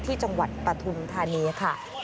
ที่จังหวัดปทุนธานีย์ค่ะ